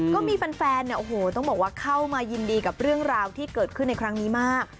ก็มีแฟนเนี่ยโอ้โหต้องบอกว่าเข้ามายินดีกับเรื่องราวที่เกิดขึ้นในครั้งนี้มาก